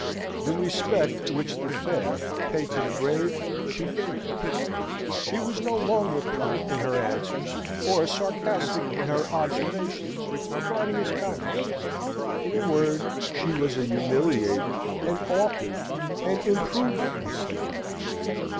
The respect which the fair pay to the brave she gave him. She was no longer pert in her answers, or sarcastic in her observations regarding his conduct. In a word, she was a humiliated, an altered, an improved Miss Hetty.